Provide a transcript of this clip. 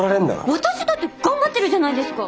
私だって頑張ってるじゃないですか！